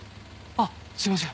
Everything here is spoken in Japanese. あっすいません。